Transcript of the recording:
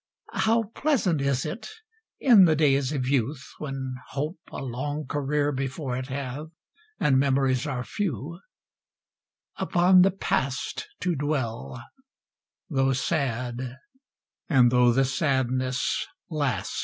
How pleasant is it, in the days of youth, When hope a long career before it hath, And memories are few, upon the past To dwell, though sad, and though the sadness last!